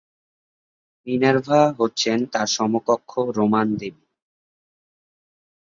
Minerva হচ্ছেন তার সমকক্ষ রোমান দেবী।